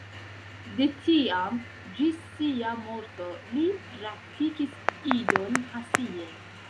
De tiam ĝis sia morto, li praktikis Idon pasie.